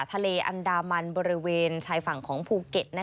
ทะเลอันดามันบริเวณชายฝั่งของภูเก็ต